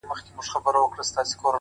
o زما د خيال د فلسفې شاعره ؛